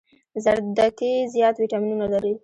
زردکي زيات ويټامينونه لري